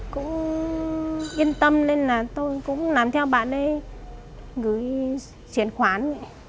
cũng yên tâm nên là tôi cũng làm theo bạn đấy gửi chuyển khoán